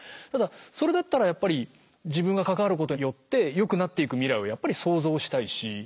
ただそれだったらやっぱり自分が関わることによってよくなっていく未来をやっぱり想像したいし。